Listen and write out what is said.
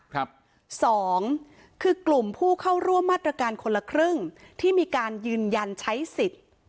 สองคือกลุ่มผู้เข้าร่วมมาตรการคนละครึ่งที่มีการยืนยันใช้สิทธิ์